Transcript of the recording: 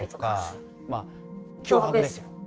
まあ脅迫ですよ。